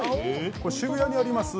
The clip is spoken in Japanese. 渋谷にあります